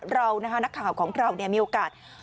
เรานะคะนักข่าวของเรามีโอกาส